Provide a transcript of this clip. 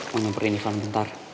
menemperin ivan bentar